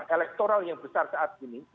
elektoral yang besar saat ini